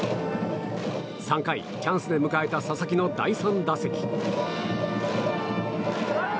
３回、チャンスで迎えた佐々木の第３打席。